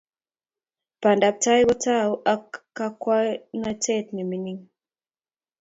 pandaptai ko tou ak kakwoutiet ne mining